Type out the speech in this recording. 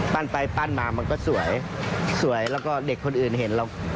ปั้นไปปั้นมามันก็สวยสวยแล้วก็เด็กคนอื่นเห็นเรา